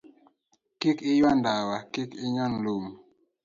Kik Iyua Ndawa, Kik Inyon Lum